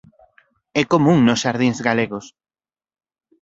É común nos xardíns galegos.